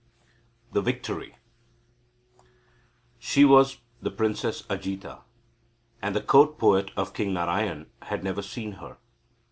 THE VICTORY She was the Princess Ajita. And the court poet of King Narayan had never seen her.